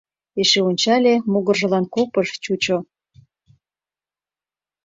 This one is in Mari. Эше ончале, могыржылан копыж чучо.